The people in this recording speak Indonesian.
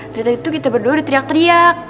ternyata itu kita berdua udah teriak teriak